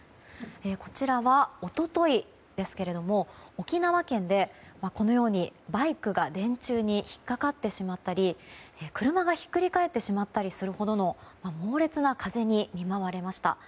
こちらは、一昨日ですけども沖縄県でこのようにバイクが電柱に引っかかってしまったり車がひっくり返ってしまったりするほどの猛烈な風に見舞われました。